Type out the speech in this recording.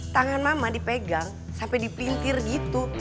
tangan mama dipegang sampai dipintir gitu